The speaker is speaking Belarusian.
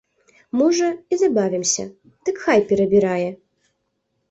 Можа, і забавімся, дык хай перабірае.